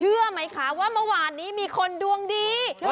เชื่อไหมคะว่าเมื่อวานนี้มีคนดวงดี